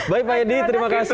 baik pak edi terima kasih